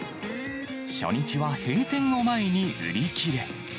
初日は閉店を前に売り切れ。